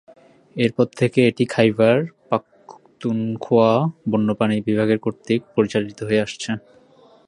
এরপর থেকে এটি খাইবার পাখতুনখোয়া বন্যপ্রাণী বিভাগের কর্তৃক পরিচালিত হয়ে আসছে।